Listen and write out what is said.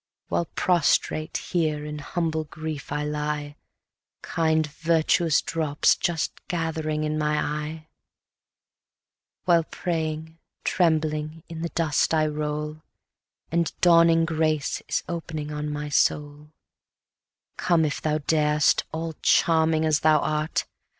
While prostrate here in humble grief I lie, Kind, virtuous drops just gathering in my eye, While praying, trembling, in the dust I roll, And dawning grace is opening on my soul: 280 Come, if thou dar'st, all charming as thou art!